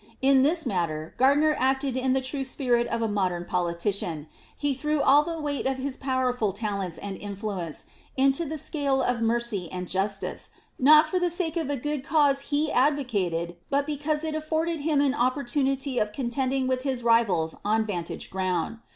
In this matter, Gardiner acted in the true spirit of a modern pc4itician : he threw all the weight of his powerful talents and influence into the scale of mercy and justice, not for the sake of the good cause be advocated, but because it afforded him an opportunity of contending with his rivals on vantage ground.